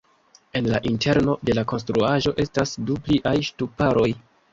En la interno de la konstruaĵo estas du pliaj ŝtuparoj.